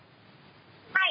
はい。